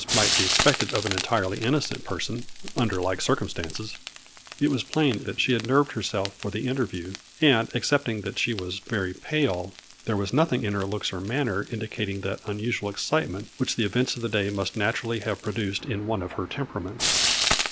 63 might be expected of an entirely innocent per son, under like circumstances, it was plain that she had nerved herself for the interview, and excepting that she was very pale, there was nothing in her looks or manner indicating the unusual excitement which the events of the day must naturally have produced in one of her temperament.